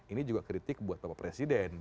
ini juga kritik buat bapak presiden